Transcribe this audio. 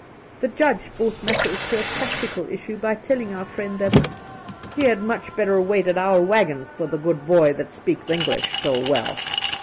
The Judge brought matters to a practical issue by telling our friend that he ' had much better wait at our waggons for the good boy that speaks English so well.'